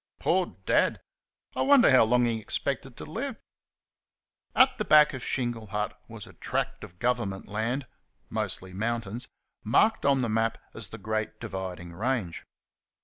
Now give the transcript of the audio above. Poor Dad! I wonder how long he expected to live? At the back of Shingle Hut was a tract of Government land mostly mountains marked on the map as the Great Dividing Range.